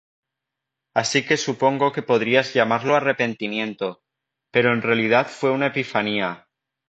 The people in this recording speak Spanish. Así que supongo que podrías llamarlo arrepentimiento, pero en realidad fue una epifanía.